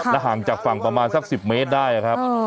และห่างจากฝั่งประมาณสักสิบเมตรได้อ่ะครับ